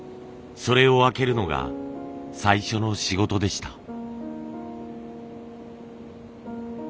それを開けるのが最初の仕事でした。